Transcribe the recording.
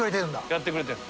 やってくれてる。